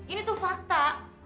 ini tuh fakta